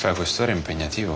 待ってよ。